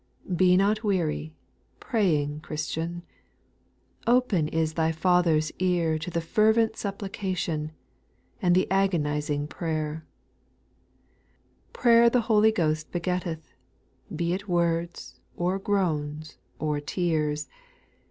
2. " Be not weary," praying Christian, Open is thy Father's ear To the fervent supplication, And the agonizing prayer ; Prayer the Holy Ghost begetteth. Be it words, or groans, or tears.